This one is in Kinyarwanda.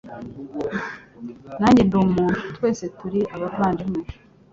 Nanjye ndi umuntu, twese turi abavandimwe.